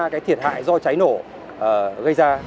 cái thiệt hại do cháy nổ gây ra